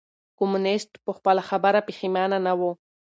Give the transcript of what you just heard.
کمونيسټ په خپله خبره پښېمانه نه و.